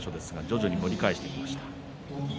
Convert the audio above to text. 徐々に盛り返してきました。